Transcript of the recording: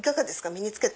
身に着けて。